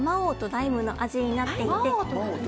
ライムの味になっていて。